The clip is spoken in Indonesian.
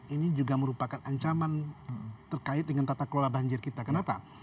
ini juga merupakan ancaman terkait dengan tata kelola banjir kita kenapa